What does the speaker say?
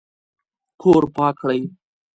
کور پاک کړئ